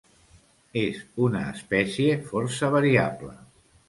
És una espècie força variable.